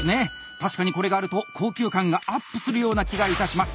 確かにこれがあると高級感がアップするような気がいたします。